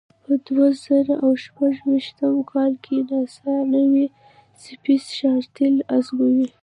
په دوه زره او شپږ ویشتم کال کې ناسا نوې سپېس شاتل ازموي.